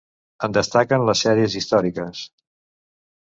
En destaquen les sèries històriques.